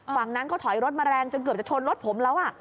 ฝั่งนั้นก็ถอยรถมาแรงจนเกือบจะชนรถผมแล้ว